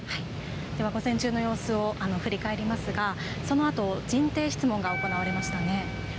では午前中の様子を振り返りますが、そのあと人定質問が行われましたね。